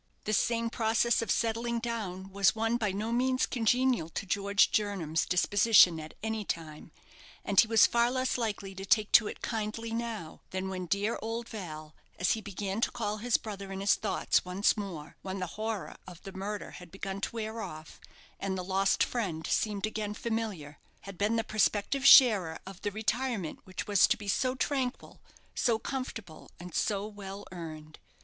This same process of settling down was one by no means congenial to George Jernam's disposition at any time; and he was far less likely to take to it kindly now, than when "dear old Val" as he began to call his brother in his thoughts once more, when the horror of the murder had begun to wear off, and the lost friend seemed again familiar had been the prospective sharer of the retirement which was to be so tranquil, so comfortable, and so well earned.